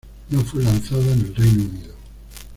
No fue lanzada en el Reino Unido.